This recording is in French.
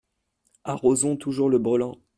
Arrosons toujours le brelan !